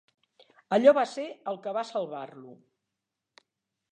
Allò va ser el que va salvar-lo.